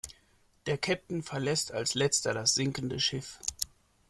Der Kapitän verlässt als Letzter das sinkende Schiff.